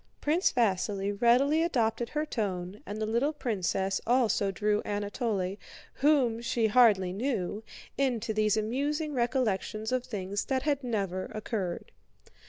Prince Vasíli readily adopted her tone and the little princess also drew Anatole, whom she hardly knew, into these amusing recollections of things that had never occurred.